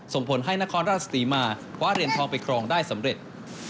ส่งผลให้นครราชศรีมาคว้าเหรียญทองไปครองได้สำเร็จ